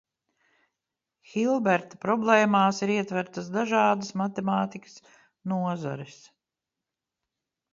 Hilberta problēmās ir ietvertas dažādas matemātikas nozares.